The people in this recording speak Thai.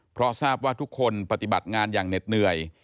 เพราะทราบว่าทุกคนปฏิบัติงานอย่างเหน็ดเหนื่อย